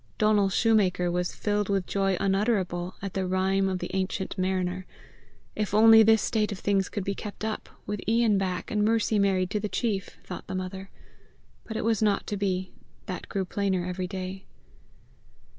Donal shoemaker was filled with joy unutterable by the Rime of the Ancient Mariner. If only this state of things could be kept up with Ian back, and Mercy married to the chief! thought the mother. But it was not to be; that grew plainer every day.